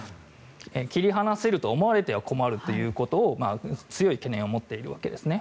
切り離せると思われては困るということを強い懸念を持っているわけですね。